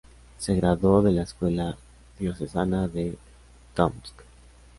Se graduó de la escuela diocesana de Tomsk.